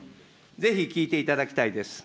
ぜひ聞いていただきたいです。